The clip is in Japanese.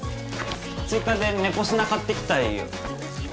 追加で猫砂買ってきたよ。